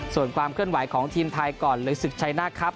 ส่วนความเคลื่อนไหวของทีมไทยก่อนเลยศึกชัยหน้าครับ